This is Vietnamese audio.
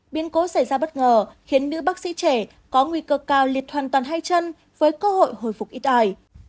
biến cố xảy ra bất ngờ khiến nữ bác sĩ trẻ có nguy cơ cao liệt hoàn toàn hai chân với cơ hội hồi phục ít ai